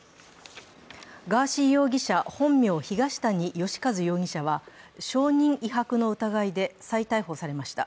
ガーシー容疑者、本名・東谷義和容疑者は、証人威迫の疑いで再逮捕されました。